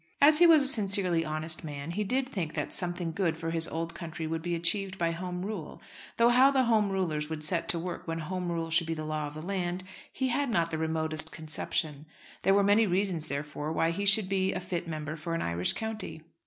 As he was a sincerely honest man, he did think that something good for his old country would be achieved by Home Rule; though how the Home Rulers would set to work when Home Rule should be the law of the land, he had not the remotest conception. There were many reasons, therefore, why he should be a fit member for an Irish county.